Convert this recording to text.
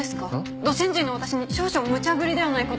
ど新人の私に少々むちゃぶりではないかと。